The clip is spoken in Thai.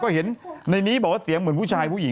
ก็เห็นในนี้บอกว่าเสียงเหมือนผู้ชายผู้หญิง